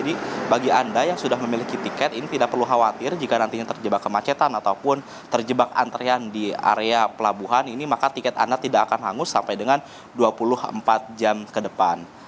dan bagi anda yang sudah memiliki tiket ini tidak perlu khawatir jika nantinya terjebak kemacetan ataupun terjebak antrian di area pelabuhan ini maka tiket anda tidak akan hangus sampai dengan dua puluh empat jam ke depan